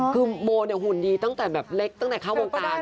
คือโมหุ่นดีตั้งแต่เล็กตั้งแต่เข้าวงการนั้น